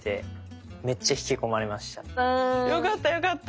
よかったよかった。